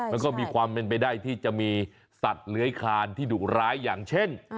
มันก็มีความเป็นไปได้ที่จะมีสัตว์เลื้อยคานที่ดุร้ายอย่างเช่น